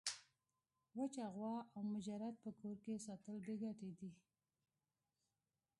وچه غوا او مجرد په کور کي ساتل بې ګټي دي.